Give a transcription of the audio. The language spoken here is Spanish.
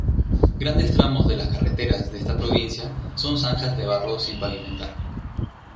Grandes tramos de las carreteras de esta provincia son zanjas de barro sin pavimentar.